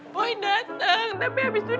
boy datang tapi abis itu dia pergi